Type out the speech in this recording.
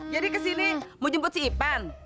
jadi kesini mau jemput si ipan